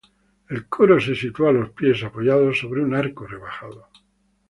El coro se sitúa a los pies apoyado sobre un arco rebajado.